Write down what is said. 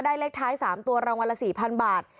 เลขท้าย๓ตัวรางวัลละ๔๐๐๐บาท